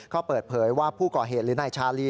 ก็เปิดเผยว่าผู้ก่อเหตุหรือนายชาลี